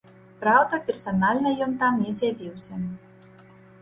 Праўда, персанальна ён там не з'явіўся.